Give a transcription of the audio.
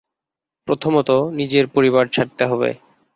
প্রথমত, নিজের পরিবার ছাড়তে হবে।